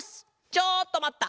ちょっとまった！